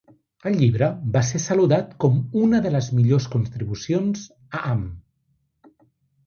El llibre va ser saludat com una de les millors contribucions a Am.